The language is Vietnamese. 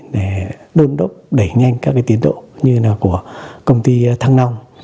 để đơn độc đẩy nhanh các tiến độ như là của công ty thăng nong